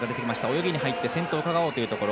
泳ぎに入って先頭をうかがおうというところ。